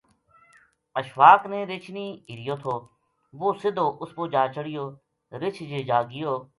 اشفاق نے رچھ نیہہ ہِریو تھو وہ سدھو اس پو جا چڑہیو رچھ جے جاگیو